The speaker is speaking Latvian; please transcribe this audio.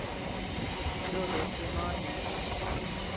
Dodos pie mājiniekiem.